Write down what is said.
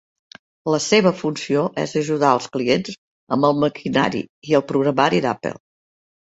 La seva funció es ajudar els clients amb el maquinari i el programari d'Apple.